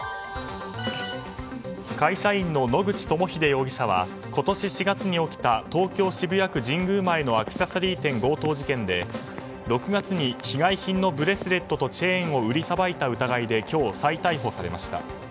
会社員の野口朋秀容疑者は今年４月に起きた東京・渋谷区神宮前のアクセサリー店強盗事件で６月に被害品のブレスレットとチェーンを売りさばいた疑いで今日、再逮捕されました。